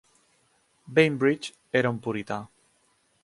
Bainbridge era un purità.